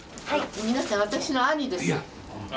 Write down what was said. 皆さん私の兄です。